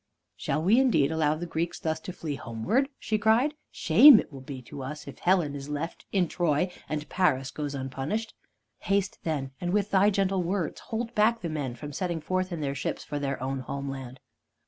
"Shall we indeed allow the Greeks thus to flee homeward?" she cried. "Shame it will be to us if Helen is left, in Troy, and Paris goes unpunished. Haste, then, and with thy gentle words hold back the men from setting forth in their ships for their own homeland."